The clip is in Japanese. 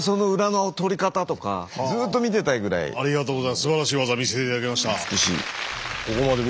すばらしい技見せて頂きました。